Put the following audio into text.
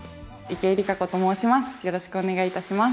池江璃花子と申します。